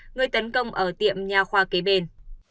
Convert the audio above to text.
người tấn công ở tiệm nhà khoa kế bên